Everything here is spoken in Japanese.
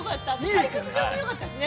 砕石場もよかったしね。